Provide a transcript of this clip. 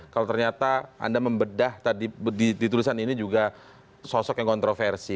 kalau ternyata anda membedah tadi di tulisan ini juga sosok yang kontroversi